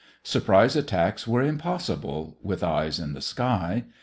Surprise attacks were impossible, with eyes in the sky.